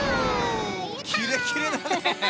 キレキレだね。